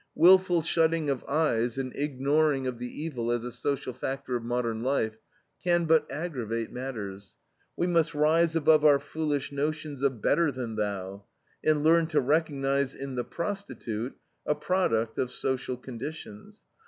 Wilful shutting of eyes and ignoring of the evil as a social factor of modern life, can but aggravate matters. We must rise above our foolish notions of "better than thou," and learn to recognize in the prostitute a product of social conditions.